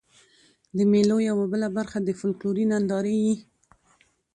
د مېلو یوه بله برخه د فکلوري نندارې يي.